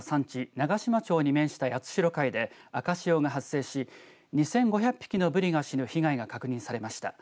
長島町に面した八代海で赤潮が発生し２５００匹のブリが死ぬ被害が確認されました。